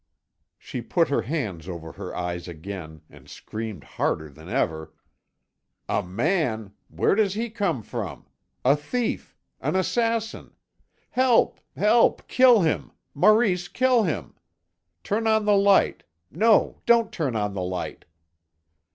She put her hands over her eyes again and screamed harder than ever. "A man! Where does he come from? A thief. An assassin! Help! Help! Kill him.... Maurice, kill him! Turn on the light. No, don't turn on the light...."